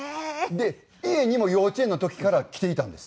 で家にも幼稚園の時から来ていたんです。